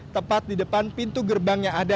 tepat di depan pintu gerbang yang ada